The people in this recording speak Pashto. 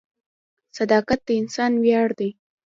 • صداقت د انسان ویاړ دی.